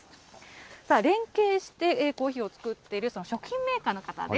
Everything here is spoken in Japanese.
さあ、連携してコーヒーを作っている食品メーカーの方です。